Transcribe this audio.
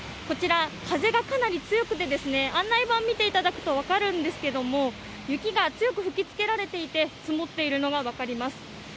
こちら風がかなり強くて案内板を見ていただくと分かるんですけれども、雪が強く吹きつけられていて積もっているのが分かります。